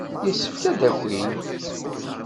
Yessefk ad d-akin.